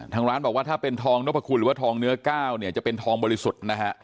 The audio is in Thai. ทางร้านบอกว่าถ้าเป็นทองนพคุณหรือว่าทองเนื้อก้าวเนี่ยจะเป็นทองบริสุทธิ์นะฮะ